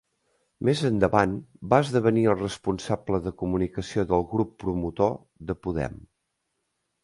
Més endavant va esdevenir el responsable de Comunicació del grup promotor de Podem.